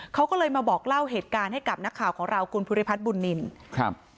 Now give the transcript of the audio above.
เขาก็เลยมาบอกเล่าเหตุการณ์ให้กับนักข่าวของเราคุณภูริพัฒน์บุญนินครับ